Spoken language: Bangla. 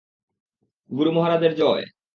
গুরু মহারাজের জয়।